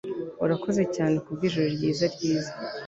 Urakoze cyane kubwijoro ryiza ryiza.